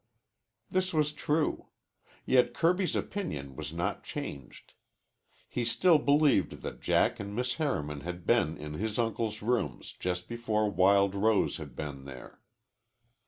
This was true. Yet Kirby's opinion was not changed. He still believed that Jack and Miss Harriman had been in his uncle's rooms just before Wild Rose had been there.